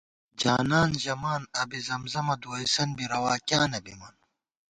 جانان ژَمان، آبِزمزمہ دُوَئیسَن بی روا کیاں نہ بِمان